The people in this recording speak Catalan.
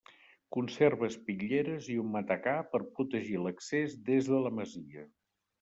Conserva espitlleres i un matacà per protegir l'accés des de la masia.